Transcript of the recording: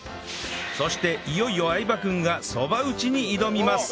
そしていよいよ相葉君がそば打ちに挑みます！